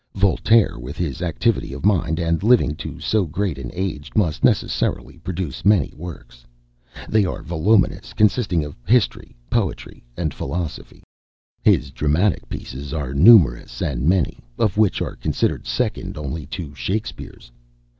Voltaire, with his activity of mind, and living to so great an age, must necessarily produce many works. They are voluminous, consisting of history, poetry, and philosophy. His dramatic pieces are numerous, many of which are considered second only to Shakespeare's.